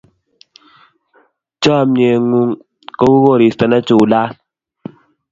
chamiet ng'un ko u koristo nechulat